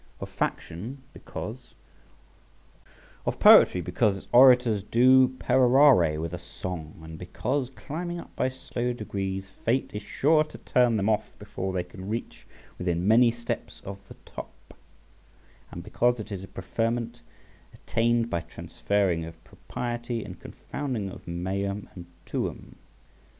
Of faction, because ... (Hiatus in MS.) ... Of poetry, because its orators do perorare with a song; and because, climbing up by slow degrees, fate is sure to turn them off before they can reach within many steps of the top; and because it is a preferment attained by transferring of propriety and a confounding of meum and tuum.